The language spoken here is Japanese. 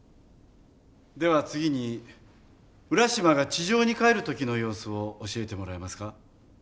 では次に浦島が地上に帰る時の様子を教えてもらえますか？